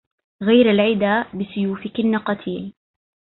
غير العدا بسيوفكن قتيل